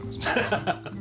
ハハハハ！